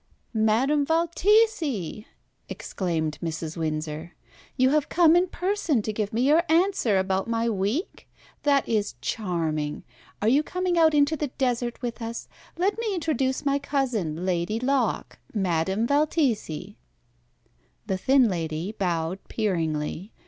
"Madame Valtesi!" exclaimed Mrs. Windsor. "You have come in person to give me your answer about my week? That is charming. Are you coming out into the desert with us? Let me introduce my cousin, Lady Locke Madame Valtesi." The thin lady bowed peeringly.